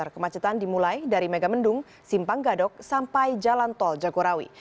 kemacetan dimulai dari megamendung simpang gadok sampai jalan tol jagorawi